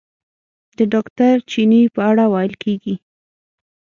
د ډاکټر چیني په اړه ویل کېږي.